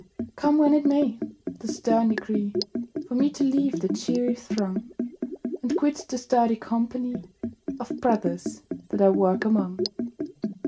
Come when it may, the stern decree For me to leave the cheery throng And quit the sturdy company Of brothers that I work among.